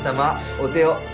お手を。